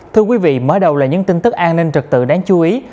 thưa quý vị mở đầu là những tin tức an ninh trật tự đáng chú ý